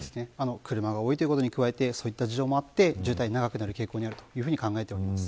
車が多いことに加えてそういう事情もあり渋滞が長くなる傾向にあると考えています。